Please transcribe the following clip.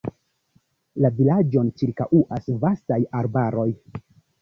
La vilaĝon ĉirkaŭas vastaj arbaroj.